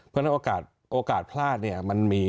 เพราะฉะนั้นโอกาสพลาดเนี่ยมันมี